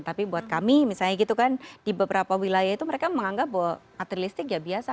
tapi buat kami misalnya gitu kan di beberapa wilayah itu mereka menganggap bahwa atlet listrik ya biasa